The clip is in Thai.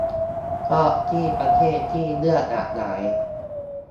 ชอบที่ประเทศที่เลือกหลากหลาย